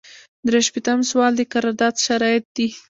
درې شپیتم سوال د قرارداد شرایط دي.